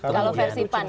kalau versi pan ya